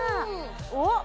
おっ！